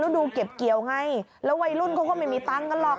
เดี๋ยวไงแล้ววัยรุ่นเขาก็ไม่มีตังค์กันหรอก